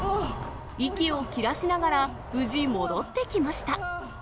息を切らしながら無事戻ってきました。